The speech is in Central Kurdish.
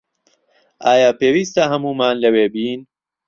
ئایا پێویستە هەموومان لەوێ بین؟